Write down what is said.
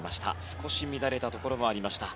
少し乱れたところもありました。